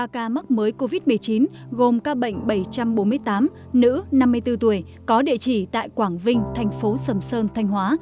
ba ca mắc mới covid một mươi chín gồm ca bệnh bảy trăm bốn mươi tám nữ năm mươi bốn tuổi có địa chỉ tại quảng vinh thành phố sầm sơn thanh hóa